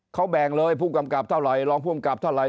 เขาแบ่งเลยผู้กำกับเท่าไหรรองภูมิกับเท่าไห